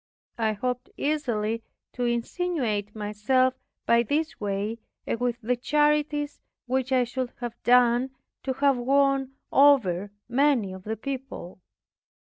I hoped easily to insinuate myself by this way and with the charities which I should have done to have won over many of the people.